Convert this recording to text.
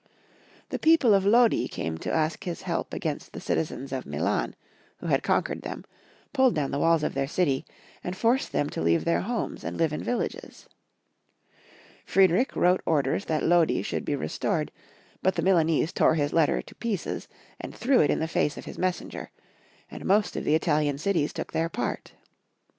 The people of Lodi came to ask his help against the citizens of Milan, who had conquered them, pulled down the walls of their city, and forced them to leave their homes and live in villages. Friedrich wrote orders that Lodi should be re stored ; but the Milanese tore his letter to pieces, and threw it in the face of his messenger, and most of the Italian cities took their part.